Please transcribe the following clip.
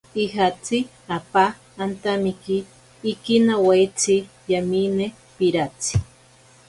Ijatsi apa antamiki ikinawaitsi yamine piratsi.